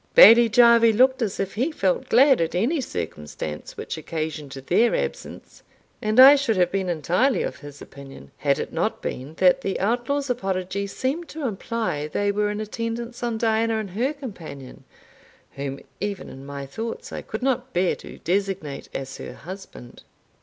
Bailie Jarvie looked as if he felt glad at any circumstance which occasioned their absence; and I should have been entirely of his opinion, had it not been that the outlaw's apology seemed to imply they were in attendance on Diana and her companion, whom even in my thoughts I could not bear to designate as her husband.